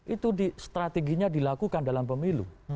itu strateginya dilakukan dalam pemilu